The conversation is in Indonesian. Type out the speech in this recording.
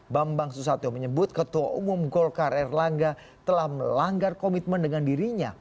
bambang susatyo menyebut ketua umum golkar erlangga telah melanggar komitmen dengan dirinya